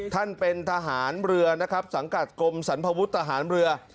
ท่านเป็นทหารเรือนะครับสังกัดกรมสรรพวุฒิทหารเรือ